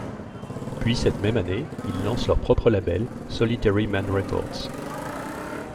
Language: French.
Puis cette même année, ils lancent leur propre label, Solitary Man Records.